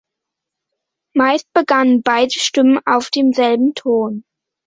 Meist begannen beide Stimmen auf demselben Ton.